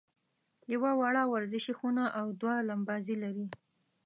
یوه وړه ورزشي خونه او دوه لمباځي لري.